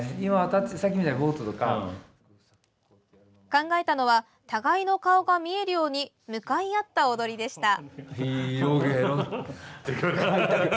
考えたのは互いの顔が見えるように向かい合った踊りでした。